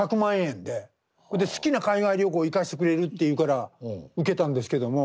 好きな海外旅行行かせてくれるっていうから受けたんですけども。